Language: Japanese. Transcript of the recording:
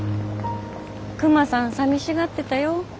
クマさんさみしがってたよ。